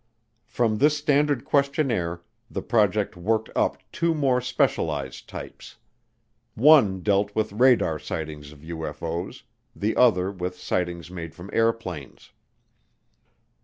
From this standard questionnaire the project worked up two more specialized types. One dealt with radar sightings of UFO's, the other with sightings made from airplanes.